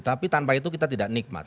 tapi tanpa itu kita tidak nikmat